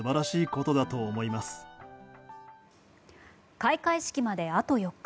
開会式まであと４日。